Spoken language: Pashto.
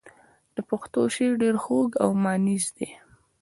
د پښتو شعر ډېر خوږ او مانیز دی.